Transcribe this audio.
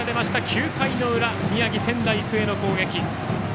９回の裏、宮城・仙台育英の攻撃。